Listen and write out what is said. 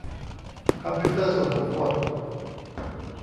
คอมพิวเตอร์ส่วนบุคคล